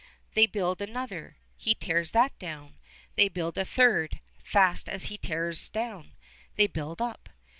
They build another; he tears that down. They build a third; fast as he tears down, they build up.